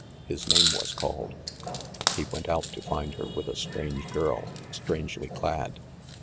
His name was called. He went out, to find her with a strange girl, strangely clad.